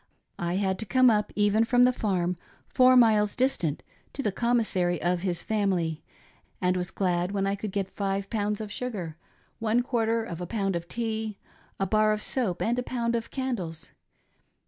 I had to come up, even from the farm, four miles distant, to the commissary of his family, and was glad when I could get five pounds of sugar, one quarter oj a pound of tea, a bar ■of soap and a pound of candles.